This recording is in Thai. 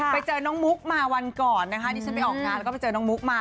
ไปเจอน้องมุกมาวันก่อนนะคะที่ฉันไปออกงานแล้วก็ไปเจอน้องมุกมา